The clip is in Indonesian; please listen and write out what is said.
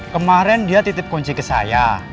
kemarin dia titip kunci ke saya